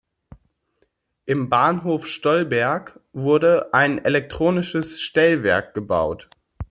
Im Bahnhof Stollberg wurde ein elektronisches Stellwerk gebaut.